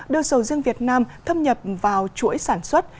đưa sầu riêng việt nam thâm nhập vào chuỗi sản xuất